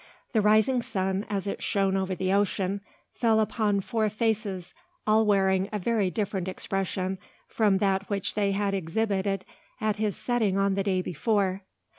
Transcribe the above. The rising sun, as it shone over the ocean, fell upon four faces, all wearing a very different expression from that which they had exhibited at his setting on the day before.